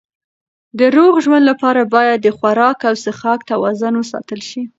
د روغ ژوند لپاره باید د خوراک او څښاک توازن وساتل شي.